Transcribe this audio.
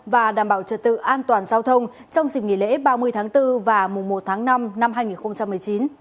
và đảm bảo trật tự an toàn giao thông trong dịp nghỉ lễ ba mươi tháng bốn và mùa một tháng năm năm hai nghìn một mươi chín